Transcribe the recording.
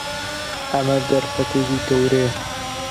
ئەمە دەرفەتێکی گەورەیە.